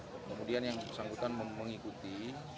kemudian yang bersangkutan mengikuti